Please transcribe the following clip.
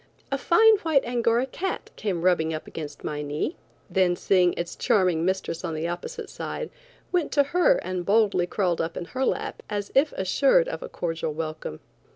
A fine white Angora cat came rubbing up against my knee, then seeing its charming mistress on the opposite side, went to her and boldly crawled up in her lap as if assured of a cordial welcome.